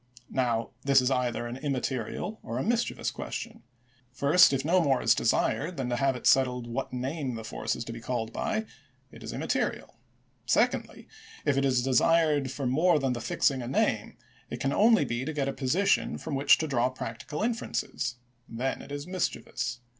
Now, this is either an immaterial or a mischievous question. First, if no more is desired than to have it settled what name the force is to be called by, it is immaterial. Sec ondly, if it is desired for more than the fixing a name, it can only be to get a position from which to draw practical inferences; then it is mischievous.